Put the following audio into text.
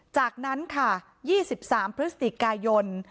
จากนั้นค่ะ๒๓พฤศจิกายน